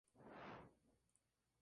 Diario de Cuyo